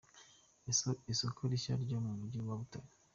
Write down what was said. Isoko rishya ryo mu mujyi wa Butare.